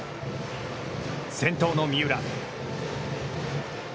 先頭の三浦。